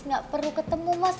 enggak perlu ketemu mas